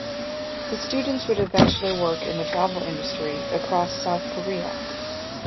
The students would eventually work in the travel industry across South Korea.